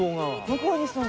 向こう側。